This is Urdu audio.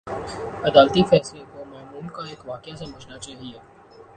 عدالتی فیصلے کو معمول کا ایک واقعہ سمجھنا چاہیے۔